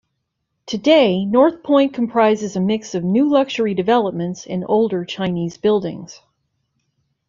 Today North Point comprises a mix of new luxury developments and older Chinese buildings.